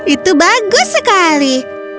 itu bagus sekali